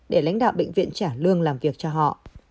để lãnh đạo bệnh viện trả lương làm việc cho họ